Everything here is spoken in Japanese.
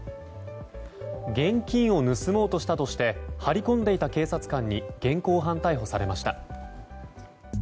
現金を盗もうとしたとして張り込んでいた警察官に現行犯逮捕されました。